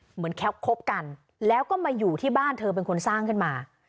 คบกันแล้วก็มาอยู่ที่บ้านเธอเป็นคนสร้างขึ้นมา